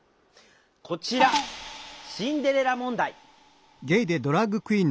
こちら「シンデレラ問題」。